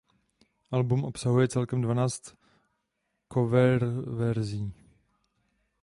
Album obsahuje celkem dvanáct coververzí.